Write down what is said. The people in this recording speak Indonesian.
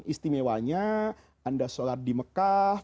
istimewanya anda sholat di mekah